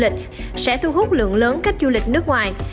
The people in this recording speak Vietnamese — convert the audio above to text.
khách sạn du lịch sẽ thu hút lượng lớn khách du lịch nước ngoài